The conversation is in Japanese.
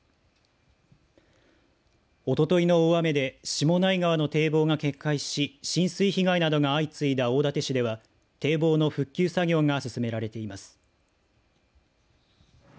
おとといの大雨で下内川の堤防が決壊し浸水被害などが相次いだ大館市では堤防の復旧作業が進められています。